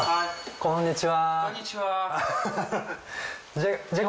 こんにちは。